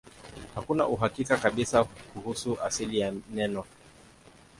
Hakuna uhakika kabisa kuhusu asili ya neno.